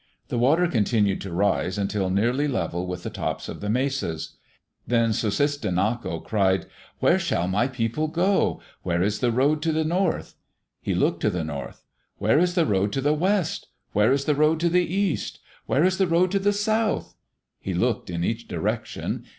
The water continued to rise until nearly level with the tops of the mesas. Then Sussistinnako cried, "Where shall my people go? Where is the road to the north?" He looked to the north. "Where is the road to the west? Where is the road to the east? Where is the road to the south?" He looked in each direction.